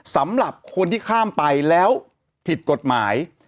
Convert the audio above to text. สำหรับคนที่ข้ามไปแล้วผิดกฎหมาย